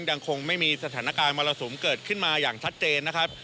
ยังคงไม่มีสถานการณ์มรสุมเกิดขึ้นมาอย่างชัดเจนนะครับ